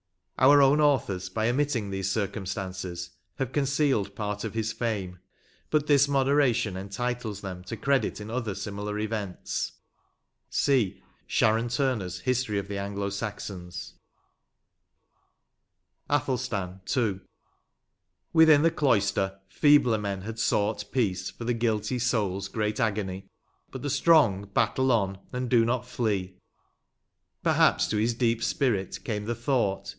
Our own authors, by omitting these circumstances, have concealed part of his fame; but this moderation entitles them to credit in other similar events." — See Sharon Turners " History of the Anglo Saxons" 123 LXI. ATHELSTAN. — II. Within the cloister feebler men had sought Peace for the guilty souls great agony, But the strong battle on and do not flee : Perhaps, to his deep spirit came the thought.